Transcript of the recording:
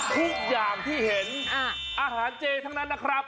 ทุกอย่างที่เห็นอาหารเจทั้งนั้นนะครับ